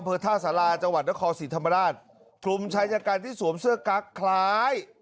เพื่อท่าสาราจังหวัดนครศรีธรรมราชกลุ่มชายชะกันที่สวมเสื้อกั๊กคล้าย